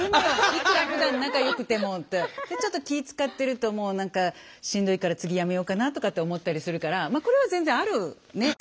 いくらふだん仲よくても。でちょっと気遣ってるともう何かしんどいから次やめようかなとかって思ったりするからまあこれは全然ある。